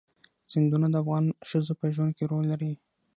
سیندونه د افغان ښځو په ژوند کې رول لري.